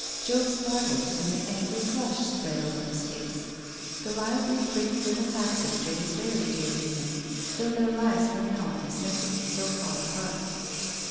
Joe started, and an angry flush spread over his face. The lively, pretty, little half sister was very dear to him, though their Uves were .now of necessity so far apart.